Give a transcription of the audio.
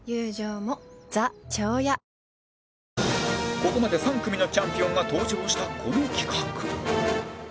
ここまで３組のチャンピオンが登場したこの企画